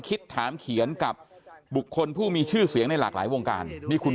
คิดถามเขียนกับบุคคลผู้มีชื่อเสียงในหลากหลายวงการนี่คุณ